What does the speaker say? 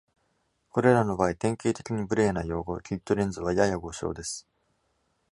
これらの場合、典型的に無礼な用語「キットレンズ」はやや誤称です。